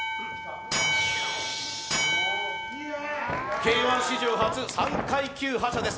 Ｋ−１史上初、３階級覇者です。